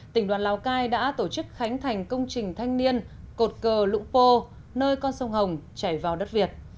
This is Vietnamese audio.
tỉnh đoàn lào cai đã tổ chức khánh thành công trình thanh niên cột cờ lũng pô nơi con sông hồng chảy vào đất việt